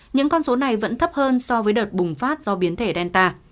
những con số này vẫn thấp hơn so với đợt bùng phát do biến thể delta